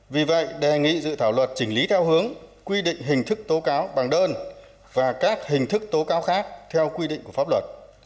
vì vậy đề nghị dự thảo luật chỉnh lý theo hướng quy định hình thức tố cáo bằng đơn và các hình thức tố cáo khác theo quy định của pháp luật